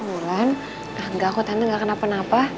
ulan enggak kok tante gak kenapa napa